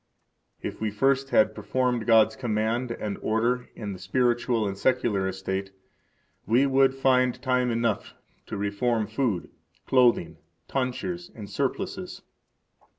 If we first had performed God's command and order in the spiritual and secular estate, we would find time enough to reform food, clothing, tonsures, and surplices.